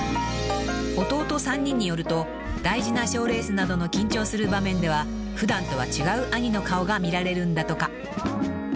［弟３人によると大事な賞レースなどの緊張する場面では普段とは違う兄の顔が見られるんだとか］